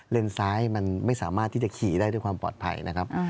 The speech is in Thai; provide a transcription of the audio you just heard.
ซ้ายมันไม่สามารถที่จะขี่ได้ด้วยความปลอดภัยนะครับ